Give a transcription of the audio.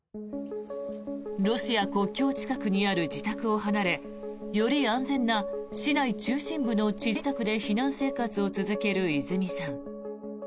ロシア国境近くにある自宅を離れより安全な市内中心部の知人宅で避難生活を続けるいづみさん。